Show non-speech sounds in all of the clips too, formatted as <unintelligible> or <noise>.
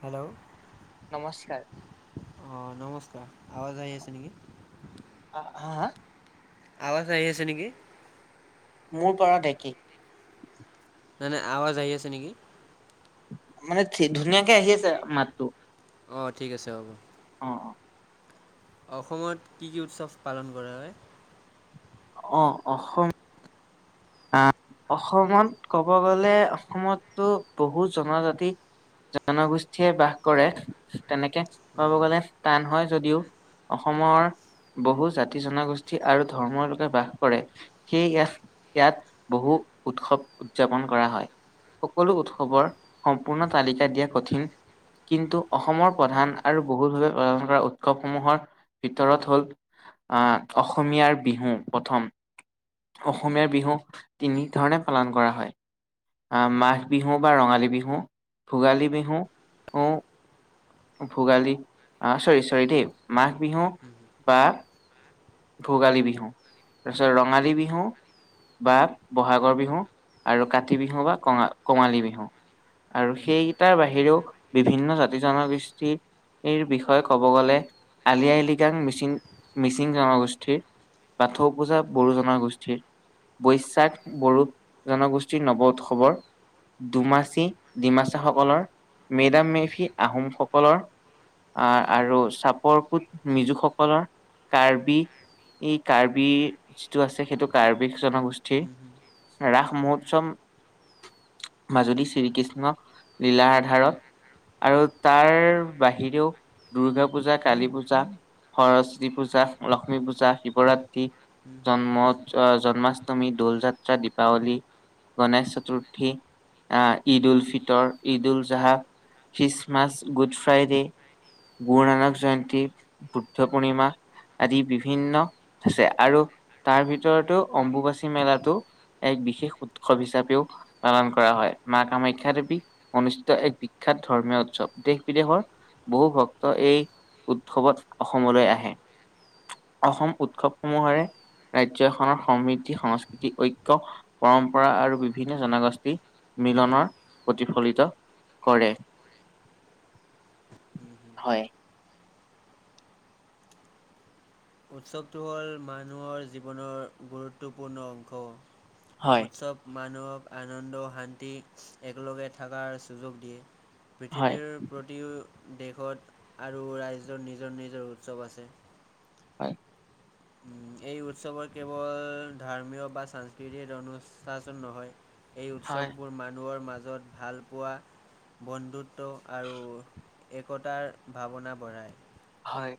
Hello অ নমস্কাৰ নমস্কাৰ। আৱাজ আহি আছে নেকি। আ হা আৱাজ আহ আছে নেকি। মোৰ পৰা ডেকি। নাই নাই আৱাজ আহি আছে নেকি। মানে ধুনীয়াকে আহি আছে মাতটো। অ ঠিক আছে হ'ব। অ অ। অসমত কি কি উৎসৱ পালন কৰা হয়? অ অসম। আহ অসমত ক'ব গলে অসমতো বহুত জনজাতি। জনগোষ্ঠীয়ে বাস কৰে তেনেকে, কব গলে টান হয়। যদিও অসমৰ বহু জাতি জনগোষ্ঠী আৰু ধৰ্মৰ লোকে বাস কৰে সেইয়ে ইয়াক ইয়াত বহু উৎসৱ উদযাপন কৰা হয়। সকলো উৎসৱৰ সম্পূৰ্ণ তালিকা দিয়া কঠিন কিন্তু অসমৰ প্ৰধান আৰু বহুল ভাৱে পালন কৰা উৎসৱসমূহৰ ভিতৰত হ'ল আহ অসমীয়াৰ বিহু প্ৰথম অসমীয়াৰ বিহু তিনিধৰণে পালন কৰা হয়। আহ মাঘ বিহু বা ৰঙালী বিহু, ভোগালী বিহু ভোগালী আহ চৰি চৰি দেই মাঘ বিহু বা ভোগালী বিহু তাৰপিছত ৰঙালী বিহু বা বহাগৰ বিহু আৰু কাতি বিহু বা কঙা কঙালী বিহু। আৰু সেইকেইটাৰ বাহিৰেও বিভিন্ন জাতি জনগোষ্ঠী। এই বিষয়ে ক'ব গ'লে আলি আই লিগাং মিচিং মিচিং জনগোষ্ঠ- গোষ্ঠীৰ পাথৌ পূজা বড়ো জনগোষ্ঠীৰ। বৈশাখ বড়ো জনগোষ্ঠীৰ নৱ উৎসৱৰ ডমাচী ডিমাছাসকলৰ, মেডাম মেফি আহোমসকলৰ। আহ আৰু চাপৰ কোট মিজুসকলৰ, কাৰ্বি এই কাৰ্বি যিটো আছে সেইটো কাৰ্বি জনগোষ্ঠীৰ উম হুম। ৰাস মহত চম মাজুলী শ্ৰীকৃষ্ণ লীলাৰ আধাৰত আৰু তাৰ বাহিৰেও দুৰ্গা পূজা, কালী পূজা, সৰস্বতী পূজা, লক্ষ্মী পূজ- জা, শিৱৰাত্ৰি, উম হুম জন্ম অন্মাষ্টমী, দৌল যাত্ৰা, দীপাৱলী গণেশ চতুৰ্থী, আহ ঈদ উল ফিতৰ, ঈদ উল জাহ Christmas good Friday Guru Nanak Jayanti, Buddha Purnima আদি বিভিন্ন ভিন্ন আছে আৰু তাৰ ভিতৰতো অম্বুবাচী মেলাটো এক বিশেষ উৎসৱ হিচাপেও পালন কৰা হয় মা কামাখ্যা দেৱী অনুষ্ঠিত এক বিখ্যাত খ্যাত ধৰ্মীয় উৎসৱ দেশ বিদেশৰ বহু ভক্ত এই উৎসৱত অসমলৈ আহে। <inaudible> অসম উৎসৱসমূহৰে ৰাজ্যখনৰ সমৃদ্ধি সংস্কৃতি ঐক্য পৰম্পৰা আৰু বিভিন্ন জনগোষ্ঠী মিলনৰ প্ৰতিফলিত কৰে <unintelligible> উম হুম। হয় উৎসৱটো হ'ল মানুহৰ জীৱনৰ গুৰুত্বপূৰ্ণ অংশ হয়, উৎসৱ মা মানুহক আনন্দ, শান্তিক একেলগে থকাৰ সুযোগ দিয়ে হয়, পৃথিৱীৰ প্ৰতিও দেশত আৰু ৰাজ্যৰ নিজৰ নিজৰ উৎসৱ আছে হয় এই উৎসৱৰ কেৱল ধৰ্মীয় বা সাংস্কৃতিক অনুশাসন নহয় এই হয়, উৎসৱবোৰ মানুহৰ মাজত ভাল পোৱা বন্ধুত্ব আৰু একতাৰ ভাৱনা বঢ়ায় হয়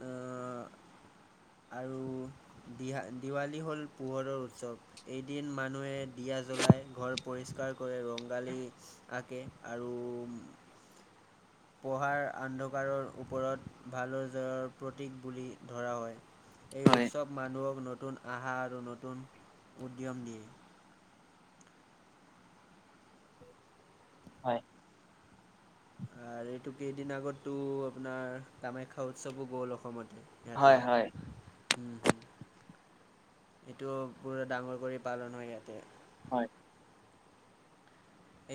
অ আৰু দিহা দিৱালী হ'ল পোহৰৰ উৎসৱ। এদিন মানুহে দিয়া জ্ব লাই ঘৰ পৰিষ্কাৰ কৰে ৰঙালী আঁকে আৰু পঢ়াৰ অন্ধকাৰৰ ওপৰত ভালো জয়ৰ প্ৰতীক বুলি ধৰা হয় এই হয় উৎসৱ মানুহক নতুন আশা আৰু নতুন উদ্যম দিয়ে হয়। আৰু এইটো কেইদিন আগতো আপোনাৰ কামাখ্যা উৎসৱো গ'ল অসমত। হয়, হয়। এইটো পুৰা ডাঙৰ কৰি পালন হয়, ইয়াতে। হয়।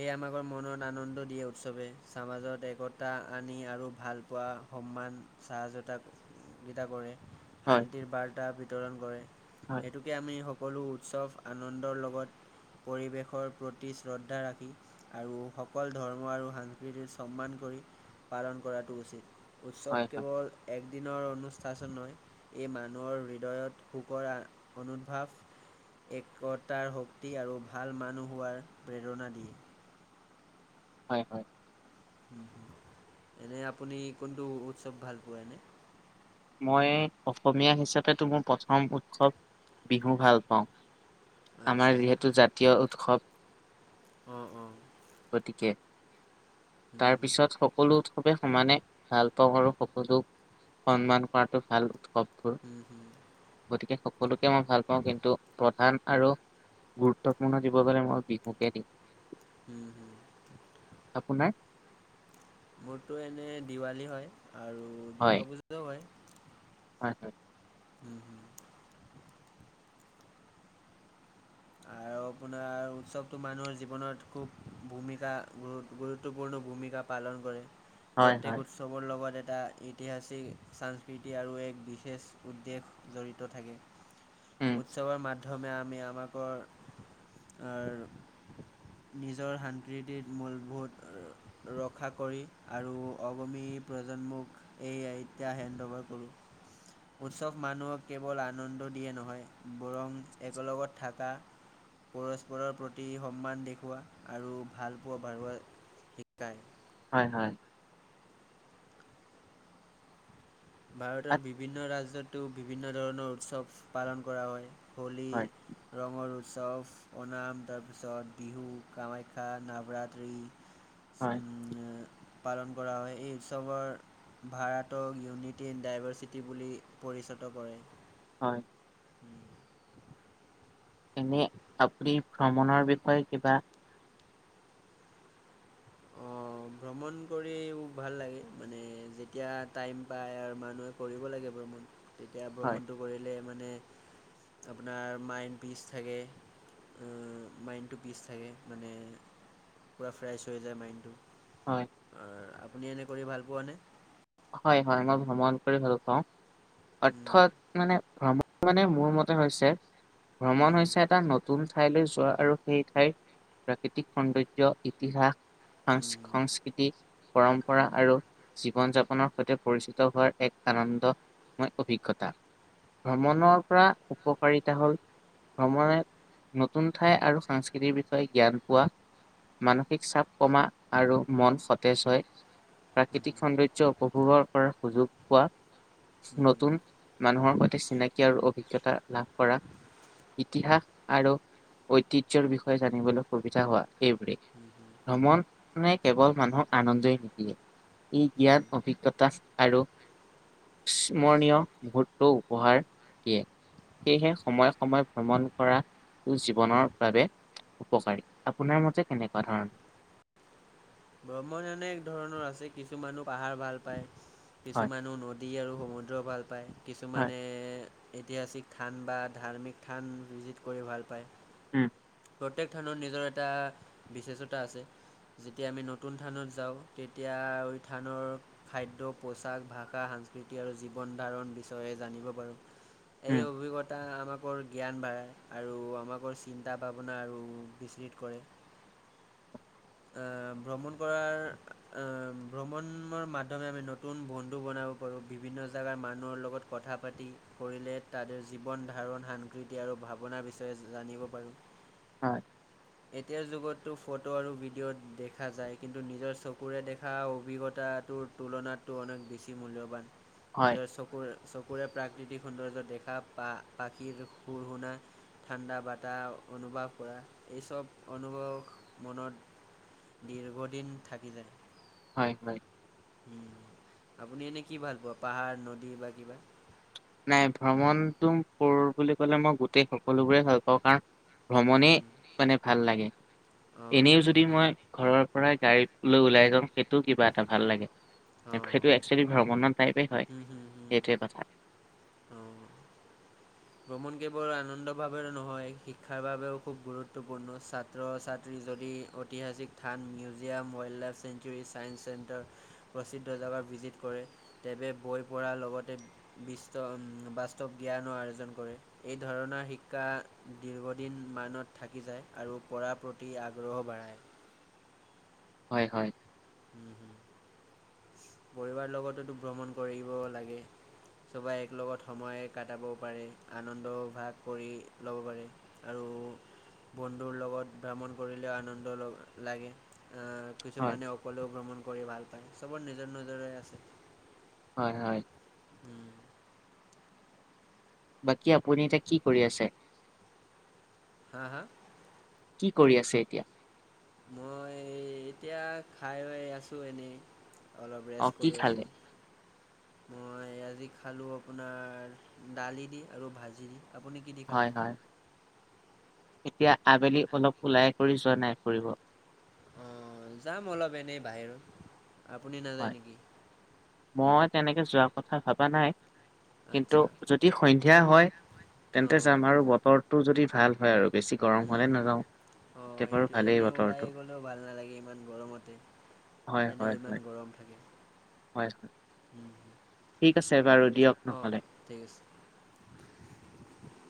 এ' আমাকৰ মনত আনন্দ দিয়ে উৎসৱে। সমাজত একতা আনি আৰু ভাল পোৱা সন্মান চাহযতাক কেইটা কৰে। হয় শান্তিৰ বাৰ্তা বিতৰণ কৰে। হয় সেইটোকে আমি, সকলো উৎসৱ আনন্দৰ লগত পৰিৱেশৰ প্ৰতি শ্ৰদ্ধা ৰাখে আৰু সকল ধৰ্ম আৰু সাংস্কৃতিত সন্মান কৰি পালন কৰাটো উচিত। উৎসৱ হয় হয় কেৱল এক দিনৰ অনুষ্ঠান নহয়। এই মানুহৰ হৃদয়ত সুখৰ অনু্ভাৱ একতাৰ শক্তি আৰু ভাল মানুহ হোৱাৰ প্ৰেৰণা দিয়ে। হয়, হয়। এনে আপুনি কোনটো উৎসৱ ভাল পোৱা এনে? মই অসমীয়া হিচাপতো মোৰ প্ৰথম উৎসৱ বিহু ভাল পাওঁ। আমাৰ আচ্ছা। যিহেতু জাতীয় উৎসৱ অঁ অঁ গতিকে, হুম তাৰ হুম পিছত সকলো উৎসৱে সমানে ভাল পাওঁ আৰু সকলো সন্মান কৰাটো ভাল উৎসৱ। হুম হুম গতিকে, সকলো মই ভাল পাওঁ। কিন্তু, প্ৰধান আৰু গুৰুত্বপূৰ্ণ দিব গলৈ মই বিহুকে দিম। উম, হম। আপোনাৰ মোৰতো এনে দিৱালী হয় আৰু হয় দুৰ্গা পূজাও হয়। হয়, হয়। উম, হম। আৰু আপোনাৰ উৎসৱতটো মানুহৰ জীৱনত খুব ভূমিকা গুৰুত্বপূৰ্ণ ভূমিকা পালন কৰে। হয় হয় প্ৰত্যেক উৎসৱৰ লগত এটা এটা ঐতিহাসিক সংস্কৃতি আৰু এক বিশেষ উদ্বেগ জড়িত থাকে। উম উৎসৱৰ মাধ্যমে আমি আমাকৰ নিজৰ সাস্কৃতিত মূলভূত ৰক্ষা কৰি আৰু অগমী প্ৰজন্মক এই আইতা হেণ্ড অ'ভাৰ কৰোঁ। উৎচব মানুহক কেৱল আনন্দ দিয়ে নহয়, বৰং একেলগত থাকা পৰস্পৰৰ প্ৰতি সন্মান দেখুওৱা আৰু ভাল পোৱা বাৰহুৱা শিকায়। হয়, হয়। ভাৰতৰ হয় বিভিন্ন ৰাজ্যতো বিভিন্ন ধৰণৰ উৎচৱ পালন কৰা হয়। হোলী হয় ৰঙৰ চফ, অনাম, তাৰপিছত, বিহু, কামাখ্যা, নৱৰাত্ৰি হয়। পালন কৰা হয়। এই উৎসৱৰ ভাৰাতক ইউনিট টন ডাইভাৰ্চিটি বুলি পৰিচিত কৰে। হয়। <inaudible> এনে আপুনি ভ্ৰমণৰ বিষয়ে কিবা অ ভ্ৰমণ কৰিও ভাল লাগে। মানে, যেতিয়া টাইম পায় আৰু মানুহে কৰিব লাগে ভ্ৰমণ। তেতিয়া হয় ভ্ৰমণটো কৰিলে মানে আপোনাৰ মাইণ্ড পিচ থাকে। ও মাইণ্ডটো পিচ থাকে। মানে, পুৰা ফ্ৰেছ হৈ যায় মাইণ্ডটো। হয়। আপুনি এনে কৰি ভাল পোৱা নে? হয়, হয়। মই ভ্ৰমণ কৰি ভাল পাওঁ। অৰ্থৎ মানে ভ্ৰমণ মানে মোৰ মতে হৈছে ভ্ৰমণ হৈছে এটা নতুন ঠাইলৈ যোৱা আৰু সেই ঠাইৰ প্ৰাকৃতিক সৌন্দৰ্য, ইতিহাস হান্স সংস্কৃতি, পৰম্পৰা আৰু জীৱন যাপন নৰ সৈতে পৰিচিত হোৱাৰ এক আনন্দ ময় অভিজ্ঞতা। ভ্ৰমণৰ পৰা উপকাৰিতা হ'ল ভ্ৰমণে নতুন ঠাই আৰু সংস্কৃতিৰ বিষয়ে জ্ঞান পোৱা মানসিক চাপ কমা আৰু মন সতেজ হয়। প্ৰাকৃতিক সৌন্দৰ্য উপৱাৰ পৰা সুযোগ পোৱা নতুন মানুহৰ সৈতে চিনাকি আৰু অভিজ্ঞতা লাভ কৰা। ইতিহাস আৰু ঐতিহ্যৰ বিষয়ে জানিবলৈ সুবিধা হোৱা এইবোৰেই। ভ্ৰমণে কেৱল মানুহক আনন্দই নিদিয়ে। ই পোৱানে জ্ঞান অভিজ্ঞতা আৰু স্মৰণীয় মুহূৰ্তও উপহাৰ দিয়ে। সেয়েহে সময়ে-সময়ে ভ্ৰমণ কৰাটো জীৱনৰ বাবে উপকাৰী। আপোনাৰ মতে কেনেকুৱা ধৰণৰ? ভ্ৰমণ এনে এক ধৰণৰ আছে। কিছু মানুহ পাহাৰ ভাল পায় হয়, কিছুমানো নদী আৰু সমুদ্ৰ ভাল পায়। হয়, কিছুমানে ইতিহাচিক থান বা ধাৰ্মিক থান ভিজিট কৰি ভাল পায়। উম। প্ৰত্যেক থানত নিজৰ এটা বিশ্বেষতা আছে। যেতিয়া আমি নতুন থানত যাওঁ, তেতিয়া ঐ থানৰ খাদ্য, পোচাক, ভাষা, সাংস্কৃতিক আৰু জীৱন ধাৰণ বিচয়ে জানিব পাৰো। এই উম, অভিজ্ঞতা আমাকৰ জ্ঞান বাঢ়ায় আৰু আমাকৰ চিন্তা ভাৱনা আৰু বিচ্ছিত কৰে। অ। ভ্ৰমণ কৰাৰ আ ভ্ৰমণৰ মাধ্যমে আমি নতুন বন্ধু বনাব পাৰোঁ। বিভিন্ন জেগাৰ মানুহৰ লগত কথা পাতি কৰিলে তাতে জীৱন ধাৰণ সাংকৃতি আৰু ভাৱনা বিচাৰ জানিব পাৰো। হয়, এতিয়াৰ যুগতটো ফটো আৰু ভিডিঅ' দেখা যায়। কিন্তু নিজৰ চকুৰে দেখা অভিজ্ঞতাটোৰ তুলনাতটো অনেক বেছি মূল্যৱান। হয়, নিজৰ চকুৰে- চকুৰে প্ৰাক অতি সৌন্দৰ্য দেখা পা পাখিৰ সুৰ শুনা। ঠাণ্ডা বটাহ অনুভৱ কৰা এইচব অনুভৱ মনত। দীৰ্ঘদিন থাকি যায়। হয়- হয়। উম, আপুনি এনে কি ভাল পোৱা পাহাৰ নদী বা কিবা। নাই ভ্ৰমণটো কৰৰু বুলি কলে মই গোটেই সকলোবোৰে ভাল পাওঁ কাৰণ। হুম ভ্ৰমণে হুম মানে ভাল লাগে অঁ এনেও যদি মই ঘৰৰ। পৰাই গাড়ীত লৈ ওলাই যাওঁ সেইটোও কিবা এটা ভাল অঁ অক্ষলী ভ্ৰমণৰ। হয় সেইটোৱে কথা। অ। ভ্ৰমণ কেৱল আনন্দ ভাৱে নহয় শিক্ষাৰ বাবেও খুব গুৰুত্বপূৰ্ণ ছাত্ৰ ছাত্ৰী। যদি ঐতিহাসিক থ্থান মিউজিয়াম ৱাইল্ডলাইফ চছেংঞ্চুৰী ছাইেস চেণ্টাৰ প্ৰসিদ্ধ জেগা। ভিজিট কৰে তেৱে বৈ পঢ়াৰ লগতে বিশ্ব বাস্তৱ জ্ঞানৰ আয়োজন কৰে। কৰে এই ধৰণৰ শিক্ষা দীৰ্ঘদিন মানত থাকি যায় আৰু পঢ়াৰ প্ৰতি আগ। গ্ৰহ বাৰায়। হয়- হয়। উম হম পৰিবাৰ লগততো ভ্ৰমণ কৰিব লাগে। চবাই এক লগগত সময় কটাবও পাৰে আনন্দ ভাগ কৰি ল'ব পাৰে আৰু। বন্ধুৰ লগত ভ্ৰমণ কৰিলেও আনন্দ লগ লাগে। আহ হয় কিছুমানে অকলেও ভ্ৰমণ কৰি ভাল পায় চবৰ নিজৰ নিজৰে আছে। হয় হয়। বাকী আপুনি এতিয়া কি কৰি আছে? হা হা? কি কৰি আছে এতিয়া? মই এতিয়া, খাই হৈ আছোঁ এনেই। অলপ অ ৰেষ্ট কি কৰি খালে আছোঁ। মই আজি খালোঁ আপোনাৰ দালি দি, আৰু ভাজি দি। আপুনি কি দি হয় খালা? হয় এতিয়া আবেলি অলপ ওলাই কৰি যোৱা নাই ফুৰিব? অ, যাম অলপ এনেই বাহিৰত। আপুনি নাযায় হয় নেকি? মই তেনেকে যোৱা কথা ভবা নাই, কিন্তু আচ্ছা যদি সন্ধিয়া হয় তেন্তে অঁ চাম, আৰু বতৰটো যদি ভাল হয় আৰু বেছি গৰম হলে নাযাওঁ। অ এতিয়া বাৰু সেইটোৱে, ভালেই এনেই বতৰটো ওলাই গ'লেও ভাল নালাগে ইমান গৰমতে। হয় হয় এনেও হয় ইমান গৰম থাকে হয়। হুম হুম, ঠিক আছে বাৰু দিয়ক অঁ নহ'লে। ঠিক আছে <inaudible>